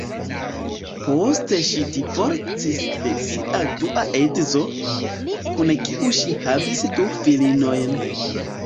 Poste ŝi divorcis de ŝia dua edzo, kun kiu ŝi havis du filinojn.